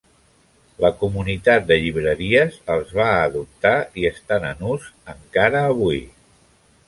La comunitat de llibreries els va adoptar i estan en ús encara avui.